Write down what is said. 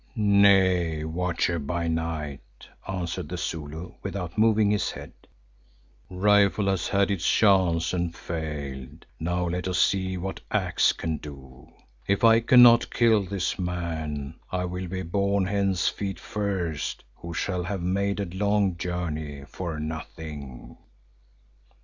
"Nay, Watcher by Night," answered the Zulu without moving his head, "rifle has had its chance and failed. Now let us see what axe can do. If I cannot kill this man, I will be borne hence feet first who shall have made a long journey for nothing."